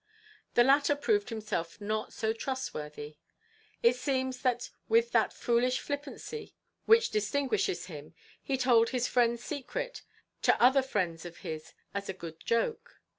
The latter proved himself not so trustworthy. It seems that with that foolish flippancy which distinguishes him he told his friend's secret to other friends of his as a good joke.